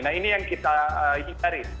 nah ini yang kita hindari